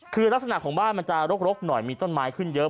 คือลักษณะของบ้านมันจะรกหน่อยมีต้นไม้ขึ้นเยอะ